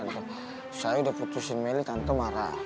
saya udah putusin meli tante marah